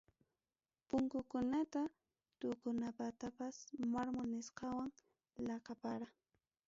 Punkukunata tuqukunatapas mármol nisqawan laqapara.